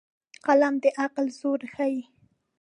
قلم د عقل زور ښيي